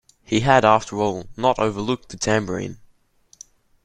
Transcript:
He had after all not overlooked the tambourine.